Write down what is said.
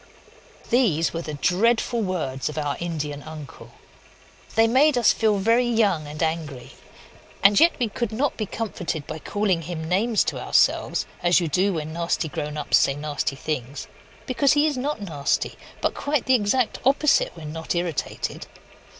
These were the dreadful words of our Indian uncle. They made us feel very young and angry; and yet we could not be comforted by calling him names to ourselves, as you do when nasty grown ups say nasty things, because he is not nasty, but quite the exact opposite when not irritated.